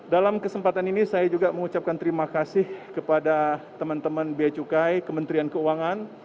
dalam kesempatan ini saya juga mengucapkan terima kasih kepada teman teman biaya cukai kementerian keuangan